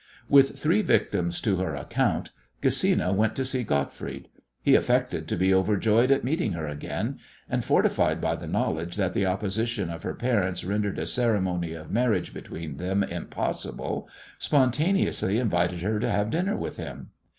With three victims to her account Gesina went to see Gottfried. He affected to be overjoyed at meeting her again, and, fortified by the knowledge that the opposition of her parents rendered a ceremony of marriage between them impossible, spontaneously invited her to have dinner with him.